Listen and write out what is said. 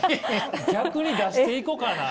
「逆に出していこかな」。